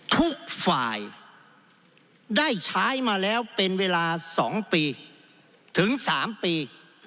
ทุกฝ่ายได้ใช้มาแล้วเป็นเวลา๒ปีถึง๓ปี